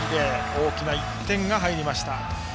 大きな１点が入りました。